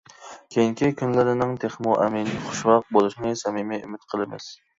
كېيىنكى كۈنلىرىنىڭ تېخىمۇ ئەمىن، خۇشۋاق بولۇشىنى سەمىمىي ئۈمىد قىلىمىز.